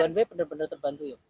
gunway benar benar terbantu